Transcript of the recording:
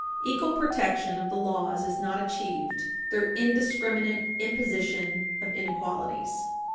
Equal protection of the laws is not achieved through indiscriminate imposition of inequalities.